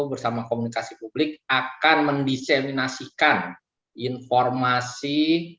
bersama komunikasi publik akan mendiseminasikan informasi